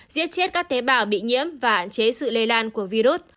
giết chết các tế bào bị nhiễm và hạn chế sự lây lan của virus